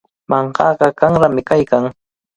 Mankaqa qanrami kaykan.